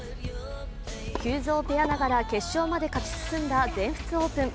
急造ペアながら決勝まで勝ち進んだ全仏オープン。